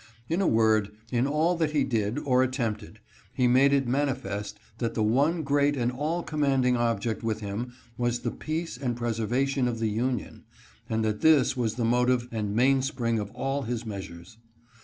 In a word, in all that he did, or attempted, he made it manifest that the one great and all commanding object with him was the peace and preservation of the Union, and that this was the motive and main spring of all his measures.